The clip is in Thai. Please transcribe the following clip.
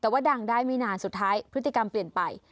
แต่ว่าดังได้ไม่นานสุดท้ายพฤติกรรมเปลี่ยนไป